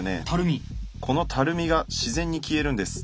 このたるみが自然に消えるんです。